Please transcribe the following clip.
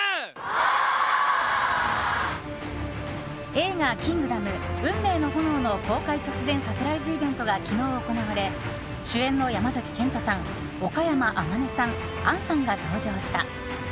映画「キングダム運命の炎」の公開直前サプライズイベントが昨日行われ主演の山崎賢人さん岡山天音さん、杏さんが登場した。